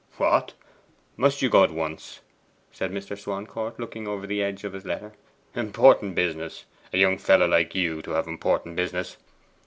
'What! Must you go at once?' said Mr. Swancourt, looking over the edge of his letter. 'Important business? A young fellow like you to have important business!